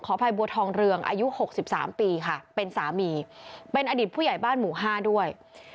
อภัยบัวทองเรืองอายุ๖๓ปีค่ะเป็นสามีเป็นอดีตผู้ใหญ่บ้านหมู่๕ด้วย